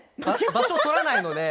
場所を取らないので。